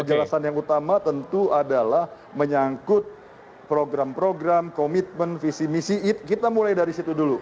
kejelasan yang utama tentu adalah menyangkut program program komitmen visi misi kita mulai dari situ dulu